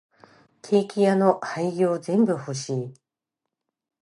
ケーキ屋の廃棄全部欲しい。